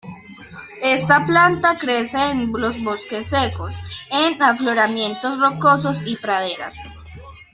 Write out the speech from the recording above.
Esta planta crece en los bosques secos, en afloramientos rocosos y praderas.